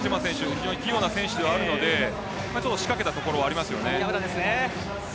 非常に器用な選手ではあるので仕掛けたところはあります